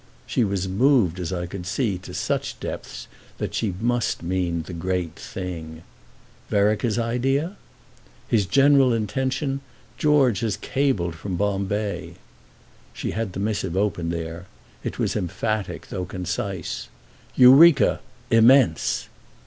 She was moved, as I could see, to such depths that she must mean the great thing. "Vereker's idea?" "His general intention. George has cabled from Bombay." She had the missive open there; it was emphatic though concise. "Eureka. Immense."